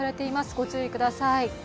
ご注意ください。